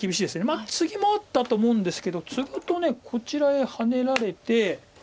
まあツギもあったと思うんですけどツグとこちらへハネられて。